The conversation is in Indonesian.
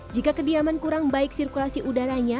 jika kediaman kurang baik sirkulasi udaranya